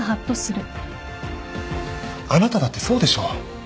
あなただってそうでしょう？